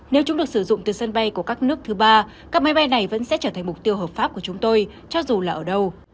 nếu chúng được sử dụng từ sân bay của các nước thứ ba các máy bay này vẫn sẽ trở thành mục tiêu hợp pháp của chúng tôi cho dù là ở đâu